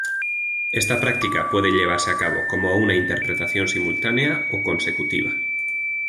Esta práctica puede llevarse a cabo como una interpretación simultánea o consecutiva.